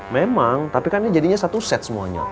memang tapi kan ini jadinya satu set semuanya